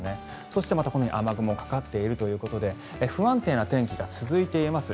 そしてこのように雨雲がかかっているということで不安定な天気が続いています。